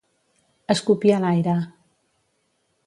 Escopir a l'aire.